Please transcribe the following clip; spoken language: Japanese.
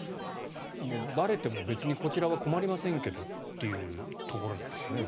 ばれても別にこちらは困りませんけどというところなんですかね。